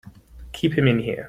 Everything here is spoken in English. Keep him in here!